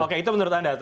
oke itu menurut anda